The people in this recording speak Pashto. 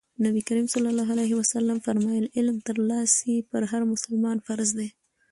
نبي کريم ص وفرمايل علم ترلاسی په هر مسلمان فرض دی.